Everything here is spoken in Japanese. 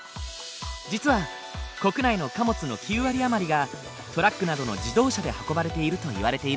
実は国内の貨物の９割余りがトラックなどの自動車で運ばれているといわれているんだ。